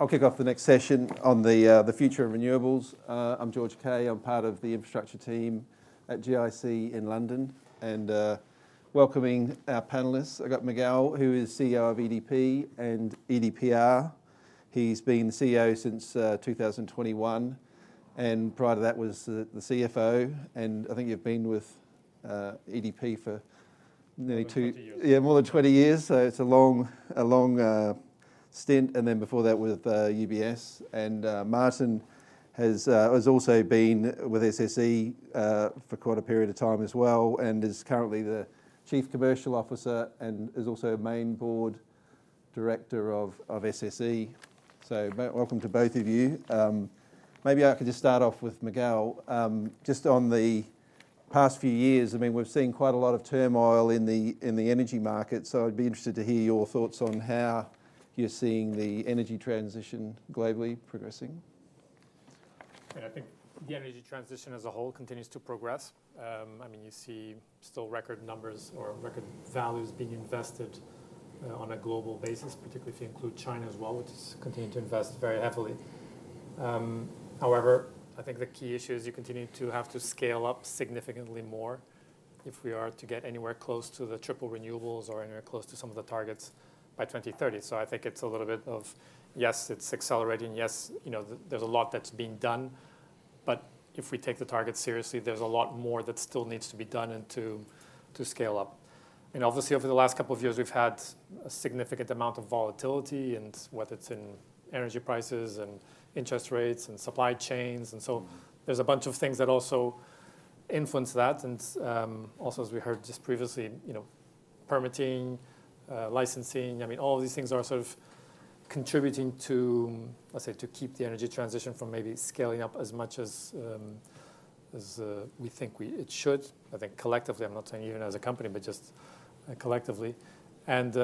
I'll kick off the next session on the future of renewables. I'm George Kay. I'm part of the infrastructure team at GIC in London, and welcoming our panelists. I've got Miguel, who is CEO of EDP and EDPR. He's been the CEO since 2021, and prior to that was the CFO. And I think you've been with EDP for nearly two. 20 years. Yeah, more than 20 years. So it's a long stint. And then before that with UBS. And Martin has also been with SSE for quite a period of time as well, and is currently the Chief Commercial Officer and is also Main Board Director of SSE. So welcome to both of you. Maybe I could just start off with Miguel, just on the past few years. I mean, we've seen quite a lot of turmoil in the energy market, so I'd be interested to hear your thoughts on how you're seeing the energy transition globally progressing. I think the energy transition as a whole continues to progress. I mean, you see still record numbers or record values being invested on a global basis, particularly if you include China as well, which is continuing to invest very heavily. However, I think the key issue is you continue to have to scale up significantly more if we are to get anywhere close to the triple renewables or anywhere close to some of the targets by 2030. So I think it's a little bit of, yes, it's accelerating. Yes, there's a lot that's being done. But if we take the targets seriously, there's a lot more that still needs to be done to scale up. And obviously, over the last couple of years, we've had a significant amount of volatility, whether it's in energy prices and interest rates and supply chains. There's a bunch of things that also influence that. And also, as we heard just previously, permitting, licensing, I mean, all of these things are sort of contributing to, let's say, to keep the energy transition from maybe scaling up as much as we think it should. I think collectively, I'm not saying even as a company, but just collectively. And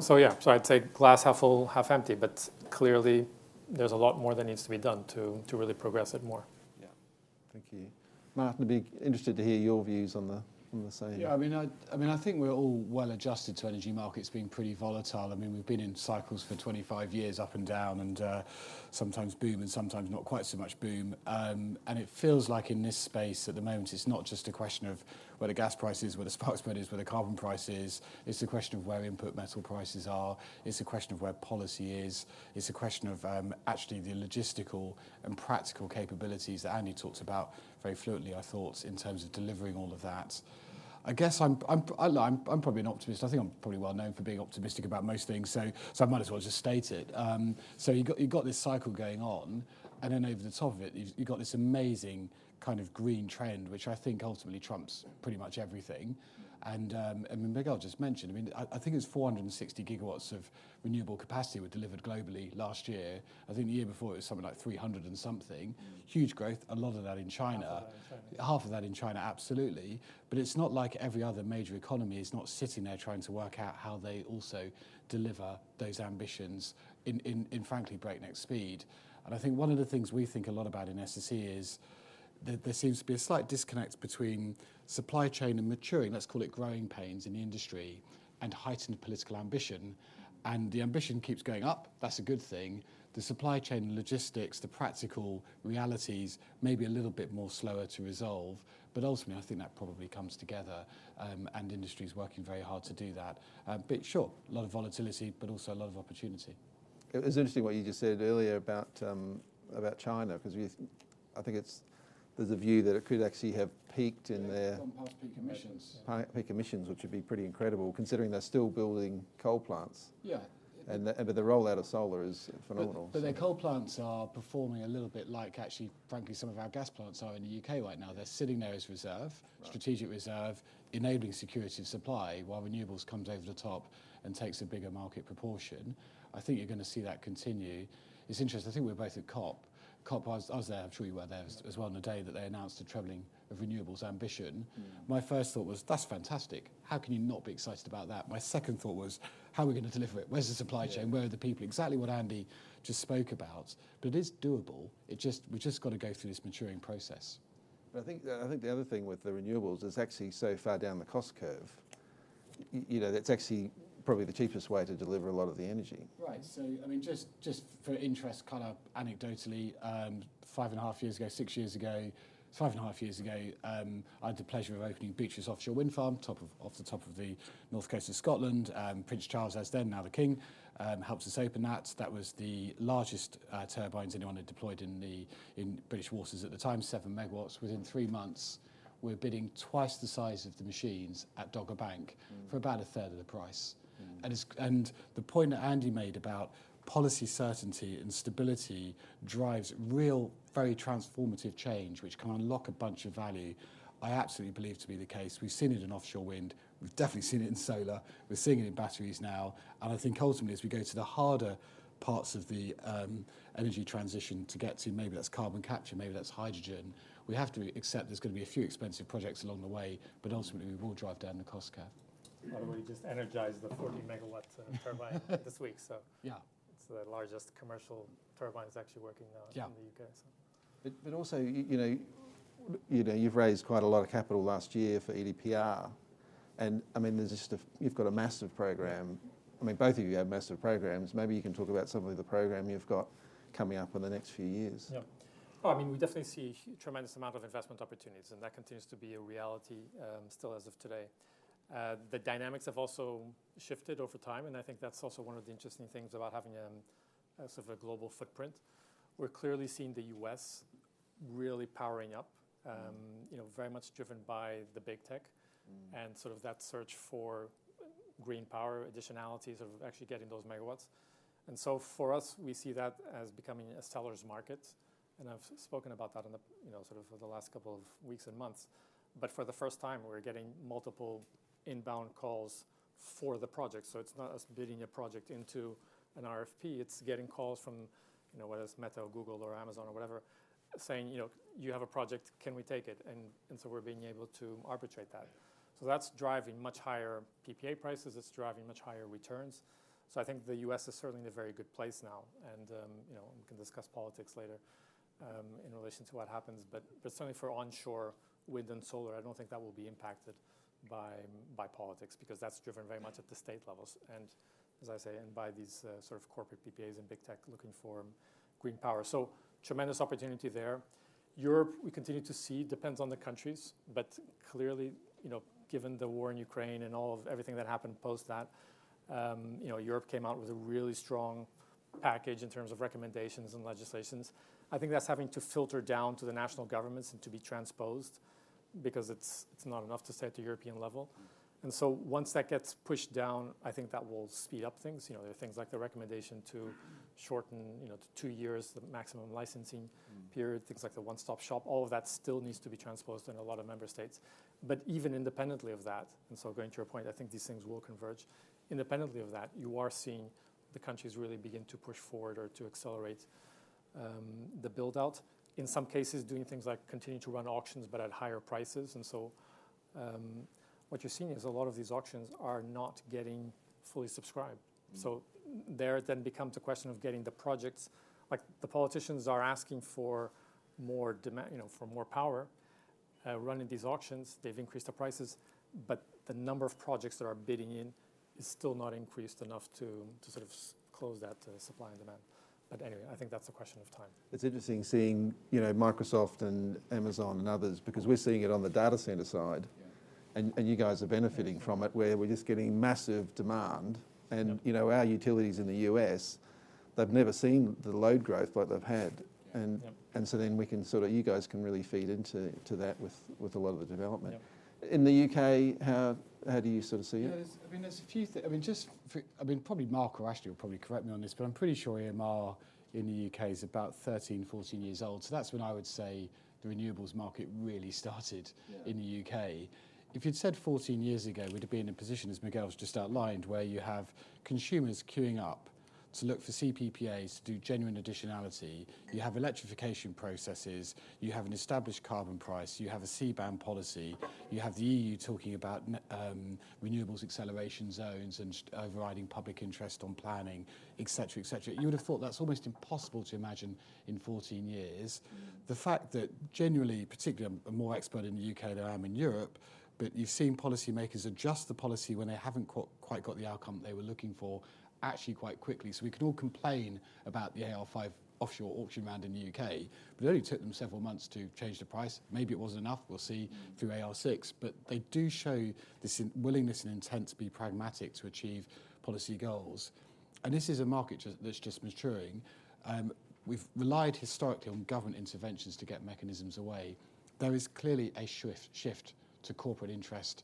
so, yeah, so I'd say glass half full, half empty. But clearly, there's a lot more that needs to be done to really progress it more. Yeah, thank you. Martin, I'd be interested to hear your views on the same. Yeah, I mean, I think we're all well adjusted to energy markets being pretty volatile. I mean, we've been in cycles for 25 years, up and down, and sometimes boom and sometimes not quite so much boom. It feels like in this space at the moment, it's not just a question of where the gas price is, where the spark spread is, where the carbon price is. It's a question of where input metal prices are. It's a question of where policy is. It's a question of actually the logistical and practical capabilities that Andy talked about very fluently, I thought, in terms of delivering all of that. I guess I'm probably an optimist. I think I'm probably well known for being optimistic about most things, so I might as well just state it. So you've got this cycle going on, and then over the top of it, you've got this amazing kind of green trend, which I think ultimately trumps pretty much everything. And I mean, Miguel just mentioned, I mean, I think it was 460 GW of renewable capacity were delivered globally last year. I think the year before, it was something like 300-something. Huge growth, a lot of that in China. Half of that in China, absolutely. But it's not like every other major economy is not sitting there trying to work out how they also deliver those ambitions in, frankly, breakneck speed. And I think one of the things we think a lot about in SSE is that there seems to be a slight disconnect between supply chain and maturing, let's call it growing pains in the industry, and heightened political ambition. And the ambition keeps going up. That's a good thing. The supply chain logistics, the practical realities may be a little bit more slower to resolve. But ultimately, I think that probably comes together, and industry is working very hard to do that. But sure, a lot of volatility, but also a lot of opportunity. It was interesting what you just said earlier about China, because I think there's a view that it could actually have peaked in their... On past peak emissions. Peak emissions, which would be pretty incredible, considering they're still building coal plants. Yeah. But the rollout of solar is phenomenal. But their coal plants are performing a little bit like, actually, frankly, some of our gas plants are in the U.K. right now. They're sitting there as reserve, strategic reserve, enabling security of supply, while renewables come over the top and take a bigger market proportion. I think you're going to see that continue. It's interesting. I think we were both at COP. COP was there. I'm sure you were there as well on the day that they announced the tripling of renewables ambition. My first thought was, that's fantastic. How can you not be excited about that? My second thought was, how are we going to deliver it? Where's the supply chain? Where are the people? Exactly what Andy just spoke about. But it is doable. We've just got to go through this maturing process. I think the other thing with the renewables is actually so far down the cost curve, that's actually probably the cheapest way to deliver a lot of the energy. Right. So I mean, just for interest, kind of anecdotally, 5.5 years ago, 6 years ago, 5.5 years ago, I had the pleasure of opening Beatrice Offshore Wind Farm off the north coast of Scotland. Prince Charles, as he was then, now the King, helped us open that. That was the largest turbines anyone had deployed in British waters at the time, 7 MW. Within 3 months, we're bidding twice the size of the machines at Dogger Bank for about a third of the price. And the point that Andy made about policy certainty and stability drives real, very transformative change, which can unlock a bunch of value. I absolutely believe to be the case. We've seen it in offshore wind. We've definitely seen it in solar. We're seeing it in batteries now. I think ultimately, as we go to the harder parts of the energy transition to get to, maybe that's carbon capture, maybe that's hydrogen, we have to accept there's going to be a few expensive projects along the way, but ultimately, we will drive down the cost curve. By the way, we just energized the 40 MW turbine this week. So it's the largest commercial turbine that's actually working now in the U.K. But also, you've raised quite a lot of capital last year for EDPR. And I mean, you've got a massive program. I mean, both of you have massive programs. Maybe you can talk about some of the program you've got coming up in the next few years. Yeah. Well, I mean, we definitely see a tremendous amount of investment opportunities, and that continues to be a reality still as of today. The dynamics have also shifted over time, and I think that's also one of the interesting things about having a sort of a global footprint. We're clearly seeing the U.S. really powering up, very much driven by the big tech and sort of that search for green power, additionalities, sort of actually getting those megawatts. And so for us, we see that as becoming a seller's market. And I've spoken about that in sort of the last couple of weeks and months. But for the first time, we're getting multiple inbound calls for the project. So it's not us bidding a project into an RFP. It's getting calls from whether it's Meta, Google, or Amazon or whatever, saying, you have a project, can we take it? So we're being able to arbitrate that. That's driving much higher PPA prices. It's driving much higher returns. I think the U.S. is certainly in a very good place now. We can discuss politics later in relation to what happens. Certainly for onshore wind and solar, I don't think that will be impacted by politics, because that's driven very much at the state levels. As I say, by these sort of corporate PPAs and big tech looking for green power. Tremendous opportunity there. Europe, we continue to see, depends on the countries. Clearly, given the war in Ukraine and everything that happened post that, Europe came out with a really strong package in terms of recommendations and legislations. I think that's having to filter down to the national governments and to be transposed, because it's not enough to say at the European level. Once that gets pushed down, I think that will speed up things. There are things like the recommendation to shorten to two years the maximum licensing period, things like the one-stop shop. All of that still needs to be transposed in a lot of member states. Even independently of that, and so going to your point, I think these things will converge. Independently of that, you are seeing the countries really begin to push forward or to accelerate the build-out, in some cases doing things like continuing to run auctions, but at higher prices. What you're seeing is a lot of these auctions are not getting fully subscribed. There then becomes the question of getting the projects. The politicians are asking for more power running these auctions. They've increased the prices, but the number of projects that are bidding in is still not increased enough to sort of close that supply and demand. But anyway, I think that's a question of time. It's interesting seeing Microsoft and Amazon and others, because we're seeing it on the data center side, and you guys are benefiting from it, where we're just getting massive demand. Our utilities in the U.S., they've never seen the load growth like they've had. So then we can sort of you guys can really feed into that with a lot of the development. In the U.K., how do you sort of see it? I mean, there's a few things. I mean, probably Marco actually will probably correct me on this, but I'm pretty sure EMR in the UK is about 13-14 years old. So that's when I would say the renewables market really started in the UK. If you'd said 14 years ago, we'd have been in a position, as Miguel's just outlined, where you have consumers queuing up to look for CPPAs to do genuine additionality. You have electrification processes. You have an established carbon price. You have a CBAM policy. You have the EU talking about renewables acceleration zones and overriding public interest on planning, et cetera, et cetera. You would have thought that's almost impossible to imagine in 14 years. The fact that generally, particularly I'm more expert in the UK than I am in Europe, but you've seen policymakers adjust the policy when they haven't quite got the outcome they were looking for actually quite quickly. So we can all complain about the AR5 offshore auction round in the UK, but it only took them several months to change the price. Maybe it wasn't enough. We'll see through AR6. But they do show this willingness and intent to be pragmatic to achieve policy goals. And this is a market that's just maturing. We've relied historically on government interventions to get mechanisms away. There is clearly a shift to corporate interest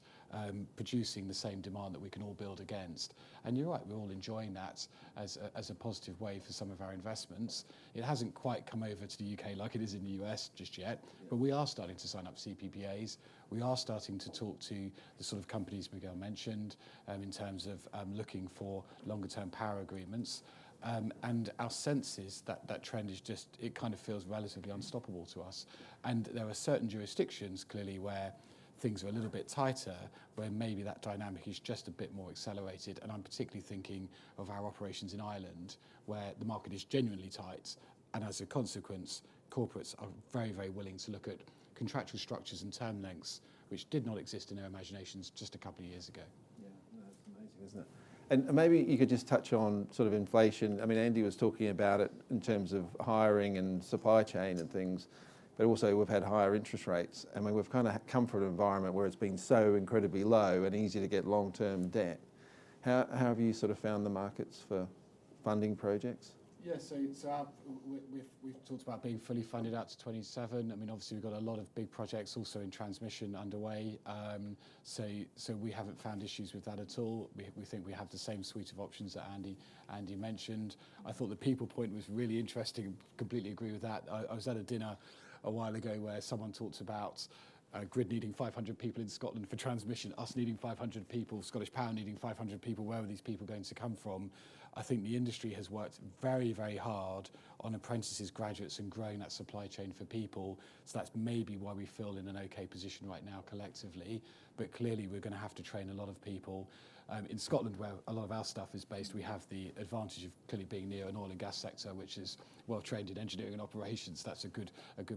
producing the same demand that we can all build against. And you're right, we're all enjoying that as a positive wave for some of our investments. It hasn't quite come over to the UK like it is in the US just yet, but we are starting to sign up CPPAs. We are starting to talk to the sort of companies Miguel mentioned in terms of looking for longer-term power agreements. Our sense is that that trend is just it kind of feels relatively unstoppable to us. There are certain jurisdictions, clearly, where things are a little bit tighter, where maybe that dynamic is just a bit more accelerated. I'm particularly thinking of our operations in Ireland, where the market is genuinely tight. As a consequence, corporates are very, very willing to look at contractual structures and term lengths, which did not exist in our imaginations just a couple of years ago. Yeah, that's amazing, isn't it? And maybe you could just touch on sort of inflation. I mean, Andy was talking about it in terms of hiring and supply chain and things, but also we've had higher interest rates. I mean, we've kind of come from an environment where it's been so incredibly low and easy to get long-term debt. How have you sort of found the markets for funding projects? Yeah, so we've talked about being fully funded out to 2027. I mean, obviously, we've got a lot of big projects also in transmission underway. So we haven't found issues with that at all. We think we have the same suite of options that Andy mentioned. I thought the people point was really interesting. Completely agree with that. I was at a dinner a while ago where someone talked about grid needing 500 people in Scotland for transmission, us needing 500 people, ScottishPower needing 500 people. Where are these people going to come from? I think the industry has worked very, very hard on apprentices, graduates, and growing that supply chain for people. So that's maybe why we feel in an okay position right now collectively. But clearly, we're going to have to train a lot of people. In Scotland, where a lot of our stuff is based, we have the advantage of clearly being near an oil and gas sector, which is well-trained in engineering and operations. That's a good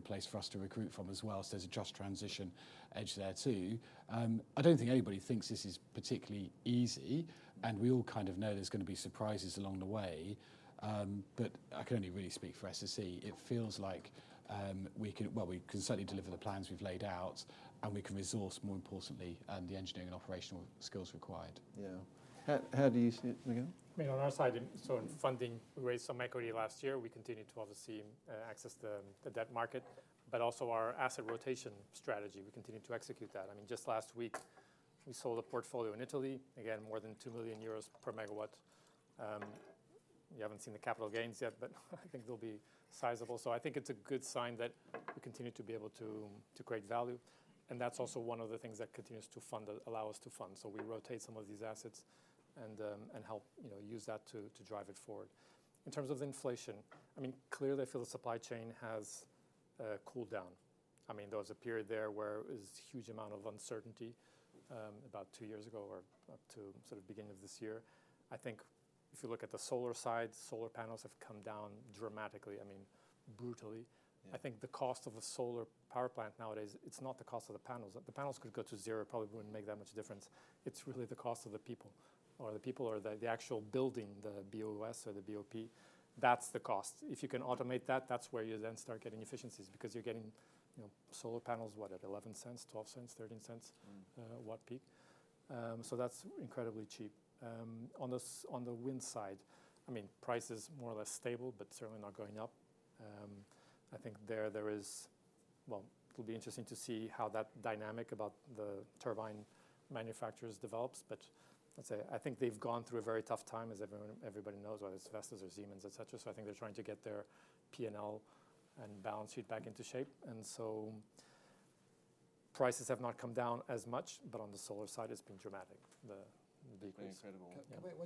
place for us to recruit from as well. So there's a just transition edge there too. I don't think anybody thinks this is particularly easy, and we all kind of know there's going to be surprises along the way. But I can only really speak for SSE. It feels like we can, well, we can certainly deliver the plans we've laid out, and we can resource, more importantly, the engineering and operational skills required. Yeah. How do you see it, Miguel? I mean, on our side, so in funding, we raised some equity last year. We continue to, obviously, access the debt market, but also our asset rotation strategy. We continue to execute that. I mean, just last week, we sold a portfolio in Italy, again, more than 2 million euros per megawatt. We haven't seen the capital gains yet, but I think they'll be sizable. So I think it's a good sign that we continue to be able to create value. And that's also one of the things that continues to fund, allow us to fund. So we rotate some of these assets and help use that to drive it forward. In terms of inflation, I mean, clearly, I feel the supply chain has cooled down. I mean, there was a period there where it was a huge amount of uncertainty about two years ago or up to sort of beginning of this year. I think if you look at the solar side, solar panels have come down dramatically, I mean, brutally. I think the cost of a solar power plant nowadays, it's not the cost of the panels. The panels could go to zero. It probably wouldn't make that much difference. It's really the cost of the people, or the people, or the actual building, the BOS or the BOP. That's the cost. If you can automate that, that's where you then start getting efficiencies, because you're getting solar panels, what, at $0.11, $0.12, $0.13 a watt peak. So that's incredibly cheap. On the wind side, I mean, price is more or less stable, but certainly not going up. I think there is, well, it'll be interesting to see how that dynamic about the turbine manufacturers develops. But I'd say I think they've gone through a very tough time, as everybody knows, whether it's Vestas or Siemens, et cetera. So I think they're trying to get their P&L and balance sheet back into shape. And so prices have not come down as much, but on the solar side, it's been dramatic. Pretty incredible.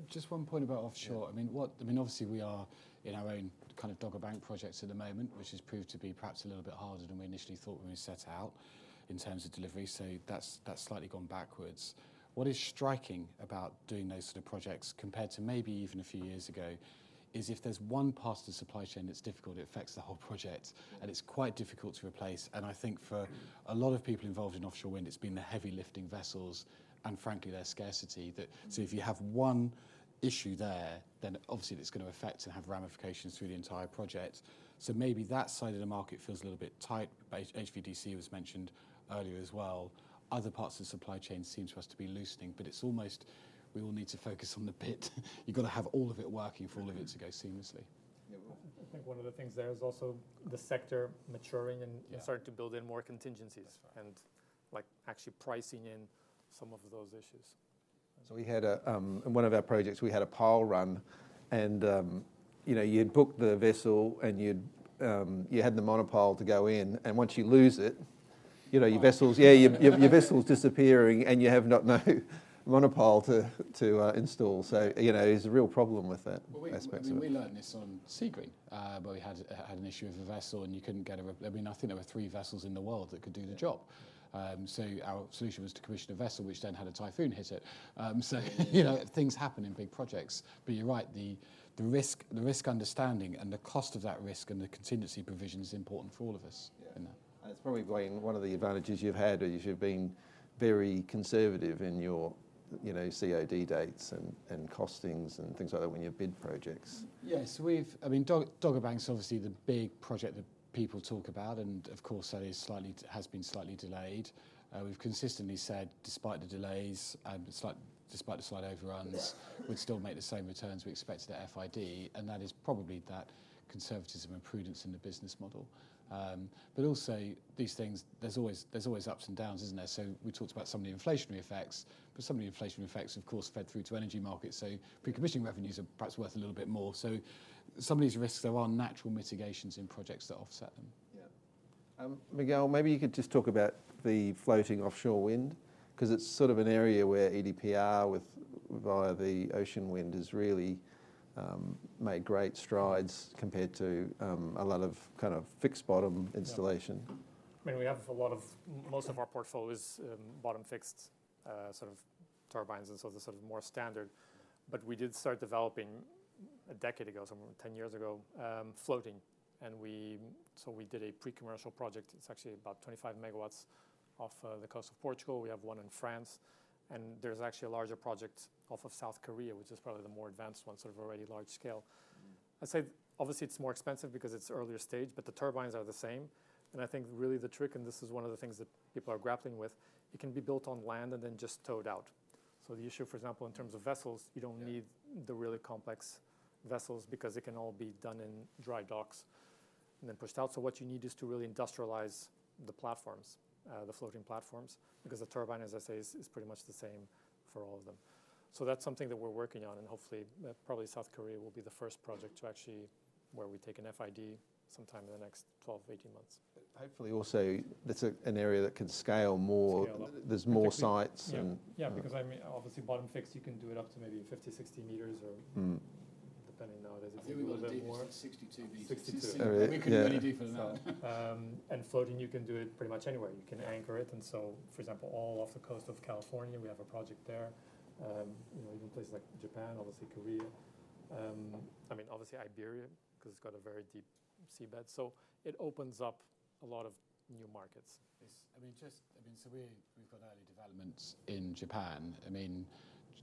Just one point about offshore. I mean, obviously, we are in our own kind of Dogger Bank projects at the moment, which has proved to be perhaps a little bit harder than we initially thought we were set out in terms of delivery. So that's slightly gone backwards. What is striking about doing those sort of projects compared to maybe even a few years ago is if there's one part of the supply chain that's difficult, it affects the whole project, and it's quite difficult to replace. And I think for a lot of people involved in offshore wind, it's been the heavy lifting vessels and, frankly, their scarcity. So if you have one issue there, then obviously it's going to affect and have ramifications through the entire project. So maybe that side of the market feels a little bit tight. HVDC was mentioned earlier as well. Other parts of the supply chain seem to us to be loosening, but it's almost we all need to focus on the bit. You've got to have all of it working for all of it to go seamlessly. I think one of the things there is also the sector maturing and starting to build in more contingencies and actually pricing in some of those issues. So we had one of our projects, we had a pile run, and you had booked the vessel and you had the monopile to go in. And once you lose it, your vessel's disappearing and you have not no monopile to install. So there's a real problem with that. We learned this on Seagreen, where we had an issue with a vessel and you couldn't get a—I mean, I think there were three vessels in the world that could do the job. So our solution was to commission a vessel, which then had a typhoon hit it. So things happen in big projects. But you're right, the risk understanding and the cost of that risk and the contingency provision is important for all of us in that. It's probably one of the advantages you've had, or you should have been very conservative in your COD dates and costings and things like that when you bid projects. Yeah, so we've, I mean, Dogger Bank's obviously the big project that people talk about. And of course, that has been slightly delayed. We've consistently said, despite the delays, despite the slight overruns, we'd still make the same returns we expected at FID. And that is probably that conservatism and prudence in the business model. But also these things, there's always ups and downs, isn't there? So we talked about some of the inflationary effects, but some of the inflationary effects, of course, fed through to energy markets. So pre-commissioning revenues are perhaps worth a little bit more. So some of these risks, there are natural mitigations in projects that offset them. Yeah. Miguel, maybe you could just talk about the floating offshore wind, because it's sort of an area where EDPR via Ocean Winds has really made great strides compared to a lot of kind of fixed bottom installation. I mean, we have a lot of most of our portfolios bottom-fixed sort of turbines, and so the sort of more standard. But we did start developing a decade ago, some 10 years ago, floating. And so we did a pre-commercial project. It's actually about 25 MW off the coast of Portugal. We have one in France. And there's actually a larger project off South Korea, which is probably the more advanced one, sort of already large scale. I'd say, obviously, it's more expensive because it's earlier stage, but the turbines are the same. And I think really the trick, and this is one of the things that people are grappling with, it can be built on land and then just towed out. So the issue, for example, in terms of vessels, you don't need the really complex vessels because it can all be done in dry docks and then pushed out. So what you need is to really industrialize the platforms, the floating platforms, because the turbine, as I say, is pretty much the same for all of them. So that's something that we're working on. And hopefully, probably South Korea will be the first project to actually where we take an FID sometime in the next 12-18 months. Hopefully also that's an area that can scale more. There's more sites. Yeah, because I mean, obviously, bottom-fixed, you can do it up to maybe 50, 60 meters, or depending nowadays if you do a little bit more. 62 meters. 62. We can really do for now. And floating, you can do it pretty much anywhere. You can anchor it. And so, for example, all off the coast of California, we have a project there, even places like Japan, obviously, Korea. I mean, obviously, Iberia, because it's got a very deep seabed. So it opens up a lot of new markets. I mean, so we've got early developments in Japan. I mean,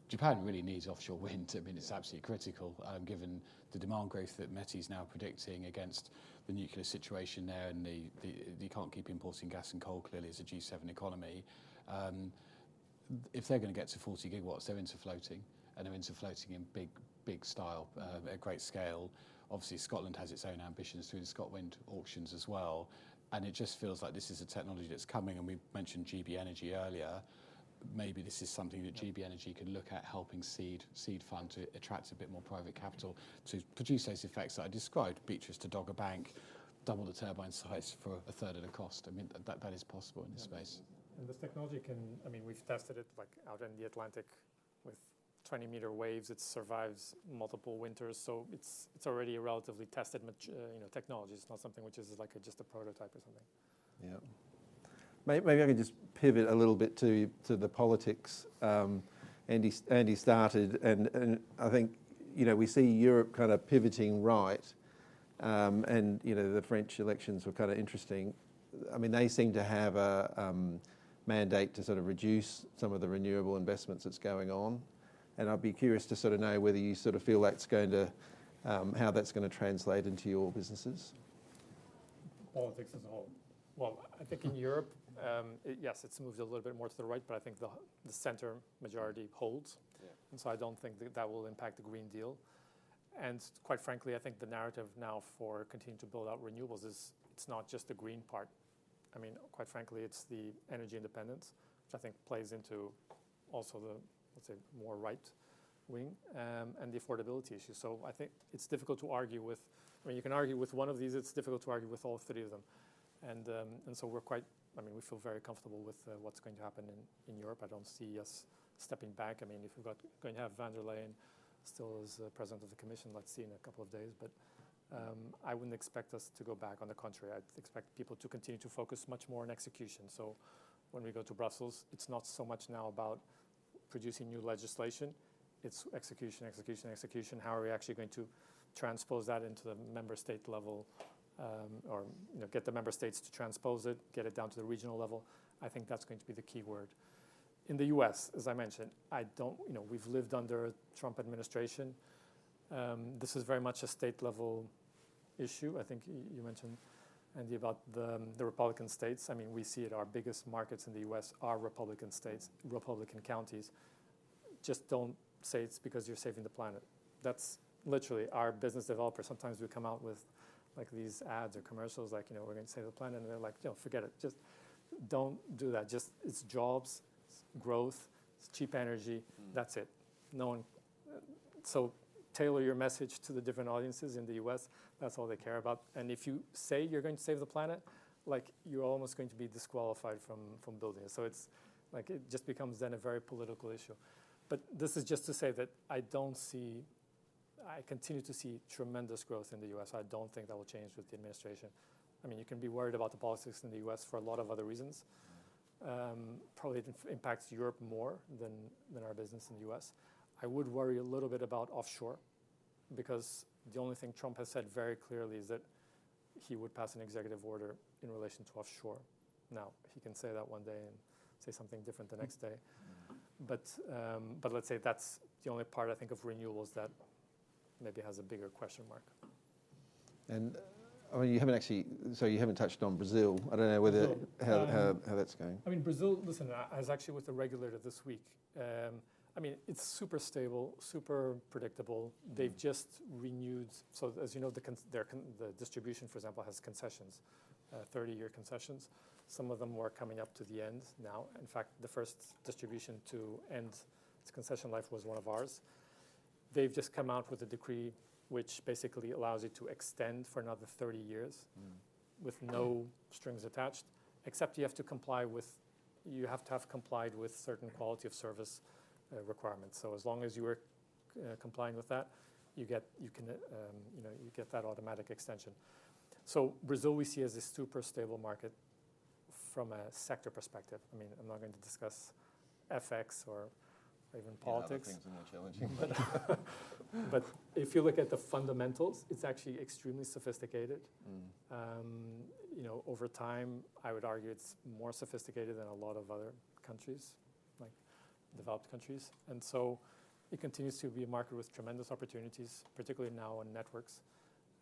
Japan really needs offshore wind. I mean, it's absolutely critical given the demand growth that METI is now predicting against the nuclear situation there. And they can't keep importing gas and coal, clearly, as a G7 economy. If they're going to get to 40 GW, they're into floating, and they're into floating in big style, at great scale. Obviously, Scotland has its own ambitions through the ScotWind auctions as well. And it just feels like this is a technology that's coming. And we mentioned GB Energy earlier. Maybe this is something that GB Energy could look at helping seed fund to attract a bit more private capital to produce those effects that I described, Beatrice to Dogger Bank, double the turbine size for a third of the cost. I mean, that is possible in this space. This technology can, I mean, we've tested it out in the Atlantic with 20-meter waves. It survives multiple winters. So it's already a relatively tested technology. It's not something which is like just a prototype or something. Yeah. Maybe I can just pivot a little bit to the politics. Andy started, and I think we see Europe kind of pivoting right. The French elections were kind of interesting. I mean, they seem to have a mandate to sort of reduce some of the renewable investments that's going on. I'd be curious to sort of know whether you sort of feel that's going to how that's going to translate into your businesses. Politics as a whole. Well, I think in Europe, yes, it's moved a little bit more to the right, but I think the center majority holds. And so I don't think that that will impact the Green Deal. And quite frankly, I think the narrative now for continuing to build out renewables is it's not just the green part. I mean, quite frankly, it's the energy independence, which I think plays into also the, let's say, more right wing and the affordability issue. So I think it's difficult to argue with. I mean, you can argue with one of these. It's difficult to argue with all three of them. And so we're quite. I mean, we feel very comfortable with what's going to happen in Europe. I don't see us stepping back. I mean, if we've got going to have von der Leyen still as President of the Commission, let's see in a couple of days. But I wouldn't expect us to go back. On the contrary, I'd expect people to continue to focus much more on execution. So when we go to Brussels, it's not so much now about producing new legislation. It's execution, execution, execution. How are we actually going to transpose that into the member state level or get the member states to transpose it, get it down to the regional level? I think that's going to be the key word. In the U.S., as I mentioned, I don't, you know, we've lived under a Trump administration. This is very much a state-level issue. I think you mentioned, Andy, about the Republican states. I mean, we see it. Our biggest markets in the U.S. are Republican states, Republican counties. Just don't say it's because you're saving the planet. That's literally our business developer. Sometimes we come out with these ads or commercials like, you know, we're going to save the planet. And they're like, you know, forget it. Just don't do that. Just, it's jobs, it's growth, it's cheap energy. That's it. So tailor your message to the different audiences in the U.S. That's all they care about. And if you say you're going to save the planet, you're almost going to be disqualified from building it. So it's like it just becomes then a very political issue. But this is just to say that I don't see, I continue to see tremendous growth in the U.S. I don't think that will change with the administration. I mean, you can be worried about the politics in the U.S. for a lot of other reasons. Probably it impacts Europe more than our business in the U.S. I would worry a little bit about offshore, because the only thing Trump has said very clearly is that he would pass an executive order in relation to offshore. Now, he can say that one day and say something different the next day. But let's say that's the only part, I think, of renewables that maybe has a bigger question mark. I mean, you haven't actually, so you haven't touched on Brazil. I don't know whether how that's going. I mean, Brazil, listen, I was actually with the regulator this week. I mean, it's super stable, super predictable. They've just renewed. So as you know, the distribution, for example, has concessions, 30-year concessions. Some of them were coming up to the end now. In fact, the first distribution to end its concession life was one of ours. They've just come out with a decree which basically allows you to extend for another 30 years with no strings attached, except you have to comply with, you have to have complied with certain quality of service requirements. So as long as you are complying with that, you get, you can get that automatic extension. So Brazil we see as a super stable market from a sector perspective. I mean, I'm not going to discuss FX or even politics. I know things are more challenging. But if you look at the fundamentals, it's actually extremely sophisticated. Over time, I would argue it's more sophisticated than a lot of other countries, like developed countries. And so it continues to be a market with tremendous opportunities, particularly now on networks.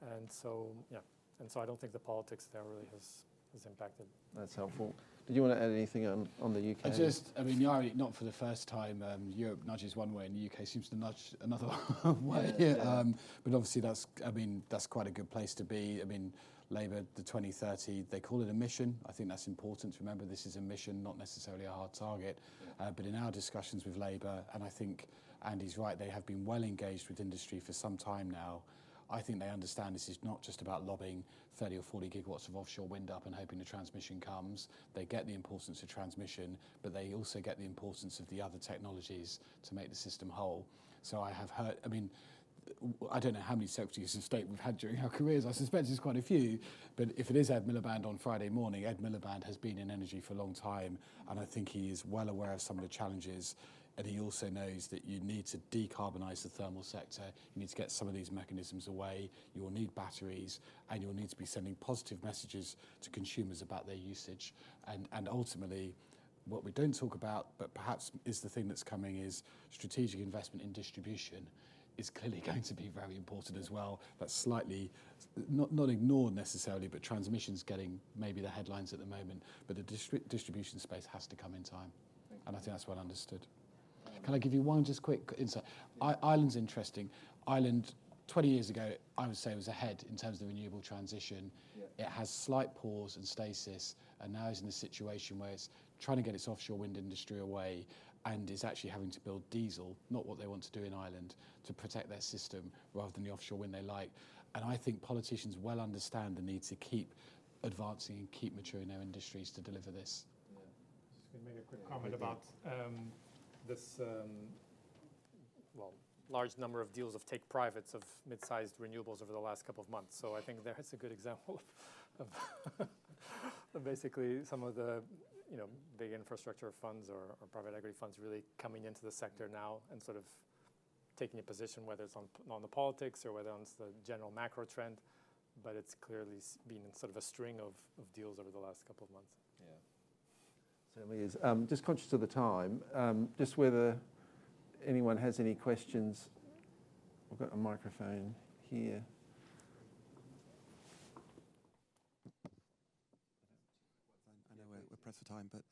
And so, yeah. And so I don't think the politics there really has impacted. That's helpful. Did you want to add anything on the UK? I mean, not for the first time, Europe nudges one way and the UK seems to nudge another way. But obviously, that's, I mean, that's quite a good place to be. I mean, Labour, the 2030, they call it a mission. I think that's important to remember. This is a mission, not necessarily a hard target. But in our discussions with Labour, and I think Andy's right, they have been well engaged with industry for some time now. I think they understand this is not just about lobbing 30 or 40 gigawatts of offshore wind up and hoping the transmission comes. They get the importance of transmission, but they also get the importance of the other technologies to make the system whole. So I have heard, I mean, I don't know how many secretaries of state we've had during our careers. I suspect it's quite a few. But if it is Ed Miliband on Friday morning, Ed Miliband has been in energy for a long time. And I think he is well aware of some of the challenges. And he also knows that you need to decarbonize the thermal sector. You need to get some of these mechanisms away. You'll need batteries, and you'll need to be sending positive messages to consumers about their usage. And ultimately, what we don't talk about, but perhaps is the thing that's coming, is strategic investment in distribution is clearly going to be very important as well. That's slightly not ignored necessarily, but transmission's getting maybe the headlines at the moment. But the distribution space has to come in time. And I think that's well understood. Can I give you one just quick insight? Ireland's interesting. Ireland, 20 years ago, I would say it was ahead in terms of the renewable transition. It has slight pause and stasis. Now it's in a situation where it's trying to get its offshore wind industry away and is actually having to build diesel, not what they want to do in Ireland, to protect their system rather than the offshore wind they like. I think politicians well understand the need to keep advancing and keep maturing their industries to deliver this. Yeah. Just going to make a quick comment about this, well, large number of deals of take privates of mid-sized renewables over the last couple of months. So I think that's a good example of basically some of the big infrastructure funds or private equity funds really coming into the sector now and sort of taking a position, whether it's on the politics or whether it's the general macro trend. But it's clearly been sort of a string of deals over the last couple of months. Yeah. Certainly is. Just conscious of the time, just whether anyone has any questions. We've got a microphone here. I know we're pressed for time, but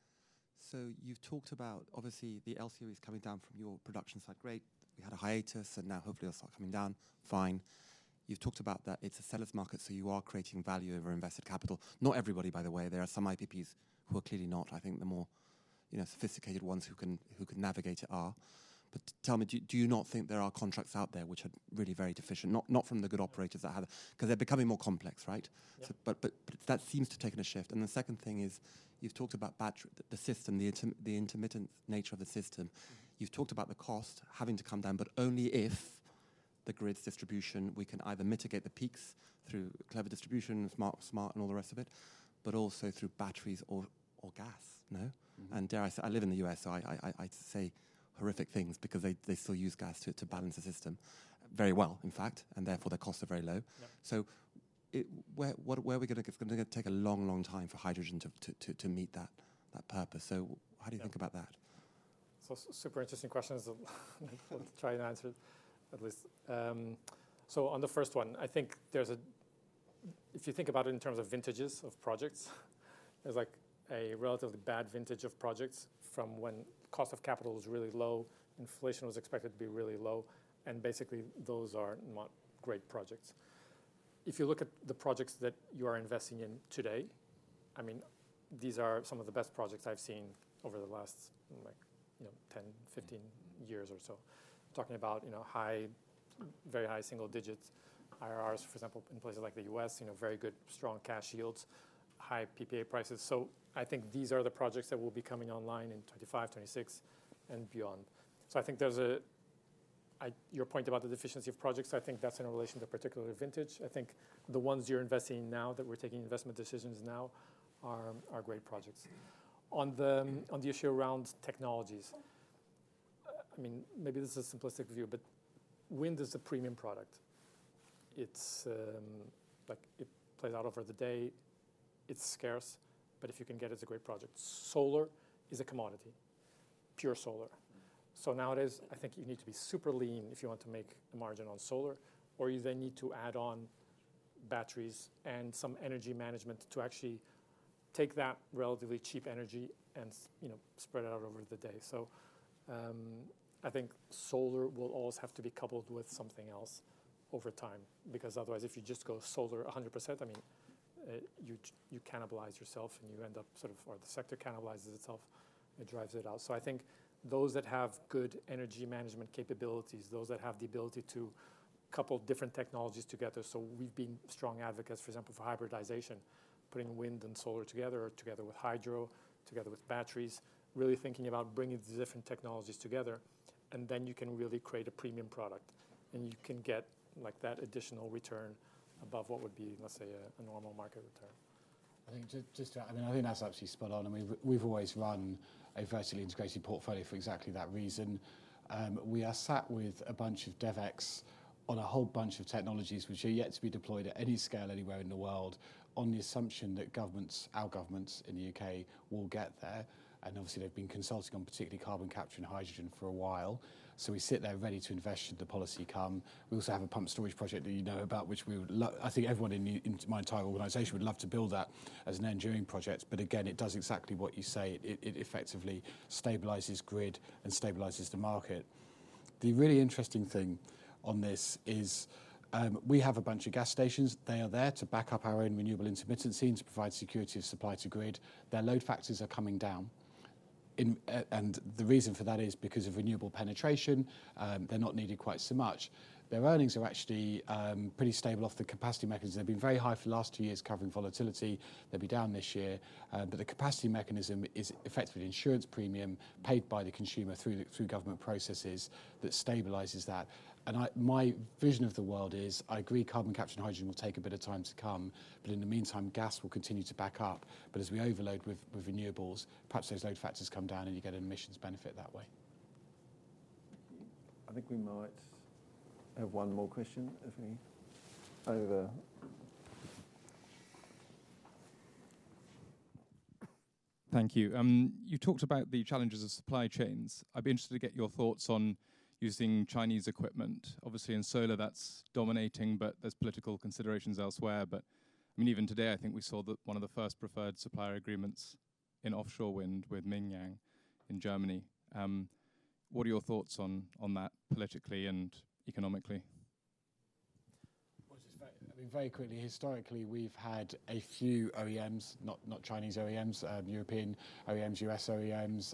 so you've talked about, obviously, the LCOE is coming down from your production side. Great. We had a hiatus, and now hopefully it'll start coming down. Fine. You've talked about that it's a seller's market, so you are creating value over invested capital. Not everybody, by the way. There are some IPPs who are clearly not. I think the more sophisticated ones who can navigate it are. But tell me, do you not think there are contracts out there which are really very deficient, not from the good operators that have it? Because they're becoming more complex, right? But that seems to have taken a shift. And the second thing is you've talked about the system, the intermittent nature of the system. You've talked about the cost having to come down, but only if the grid's distribution, we can either mitigate the peaks through clever distribution, smart and all the rest of it, but also through batteries or gas, no? And dare I say, I live in the U.S., so I'd say horrific things because they still use gas to balance the system very well, in fact, and therefore their costs are very low. So where are we going to get? It's going to take a long, long time for hydrogen to meet that purpose. So how do you think about that? So super interesting questions to try and answer at least. So on the first one, I think there's a, if you think about it in terms of vintages of projects, there's like a relatively bad vintage of projects from when cost of capital was really low, inflation was expected to be really low. And basically, those are not great projects. If you look at the projects that you are investing in today, I mean, these are some of the best projects I've seen over the last 10, 15 years or so. Talking about high, very high single digits, IRRs, for example, in places like the U.S., very good, strong cash yields, high PPA prices. So I think these are the projects that will be coming online in 2025, 2026, and beyond. So I think there's your point about the deficiency of projects. I think that's in relation to particular vintage. I think the ones you're investing in now that we're taking investment decisions now are great projects. On the issue around technologies, I mean, maybe this is a simplistic view, but wind is a premium product. It plays out over the day. It's scarce. But if you can get it, it's a great project. Solar is a commodity, pure solar. So nowadays, I think you need to be super lean if you want to make a margin on solar, or you then need to add on batteries and some energy management to actually take that relatively cheap energy and spread it out over the day. So I think solar will always have to be coupled with something else over time, because otherwise, if you just go solar 100%, I mean, you cannibalize yourself and you end up sort of, or the sector cannibalizes itself and drives it out. So I think those that have good energy management capabilities, those that have the ability to couple different technologies together. So we've been strong advocates, for example, for hybridization, putting wind and solar together, together with hydro, together with batteries, really thinking about bringing these different technologies together. And then you can really create a premium product. And you can get like that additional return above what would be, let's say, a normal market return. I mean, I think that's absolutely spot on. I mean, we've always run a vertically integrated portfolio for exactly that reason. We are sat with a bunch of DevEx on a whole bunch of technologies which are yet to be deployed at any scale anywhere in the world on the assumption that governments, our governments in the U.K., will get there. And obviously, they've been consulting on particularly carbon capture and hydrogen for a while. So we sit there ready to invest should the policy come. We also have a pumped storage project that you know about, which I think everyone in my entire organization would love to build that as an enduring project. But again, it does exactly what you say. It effectively stabilizes grid and stabilizes the market. The really interesting thing on this is we have a bunch of gas stations. They are there to back up our own renewable intermittency and to provide security of supply to grid. Their load factors are coming down. The reason for that is because of renewable penetration. They're not needed quite so much. Their earnings are actually pretty stable off the capacity mechanism. They've been very high for the last two years covering volatility. They'll be down this year. The capacity mechanism is effectively an insurance premium paid by the consumer through government processes that stabilizes that. My vision of the world is I agree carbon capture and hydrogen will take a bit of time to come. In the meantime, gas will continue to back up. As we overload with renewables, perhaps those load factors come down and you get an emissions benefit that way. I think we might have one more question, if any. Over. Thank you. You talked about the challenges of supply chains. I'd be interested to get your thoughts on using Chinese equipment. Obviously, in solar, that's dominating, but there's political considerations elsewhere. But I mean, even today, I think we saw that one of the first preferred supplier agreements in offshore wind with Mingyang in Germany. What are your thoughts on that politically and economically? I mean, very quickly, historically, we've had a few OEMs, not Chinese OEMs, European OEMs, US OEMs.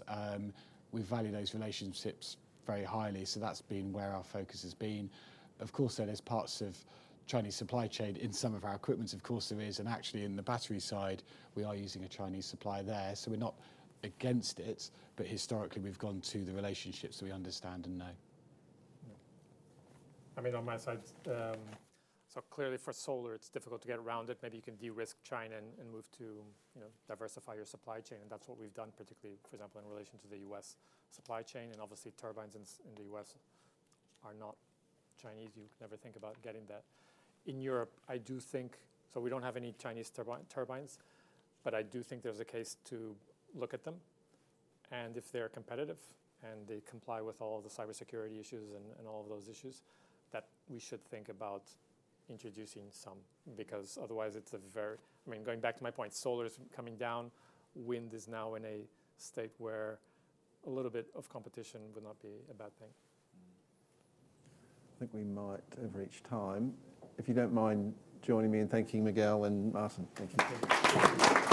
We value those relationships very highly. So that's been where our focus has been. Of course, there's parts of Chinese supply chain in some of our equipment, of course there is. And actually, in the battery side, we are using a Chinese supplier there. So we're not against it, but historically, we've gone to the relationships that we understand and know. I mean, on my side. So clearly, for solar, it's difficult to get around it. Maybe you can de-risk China and move to diversify your supply chain. And that's what we've done, particularly, for example, in relation to the U.S. supply chain. And obviously, turbines in the U.S. are not Chinese. You could never think about getting that. In Europe, I do think, so we don't have any Chinese turbines, but I do think there's a case to look at them. And if they're competitive and they comply with all the cybersecurity issues and all of those issues, that we should think about introducing some, because otherwise it's a very, I mean, going back to my point, solar is coming down. Wind is now in a state where a little bit of competition would not be a bad thing. I think we might have reached time. If you don't mind joining me in thanking Miguel and Martin. Thank you.